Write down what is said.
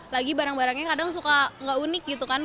lagi barang barangnya kadang suka gak unik gitu kan